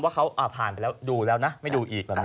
ว่าเขาผ่านไปแล้วดูแล้วนะไม่ดูอีกแบบนี้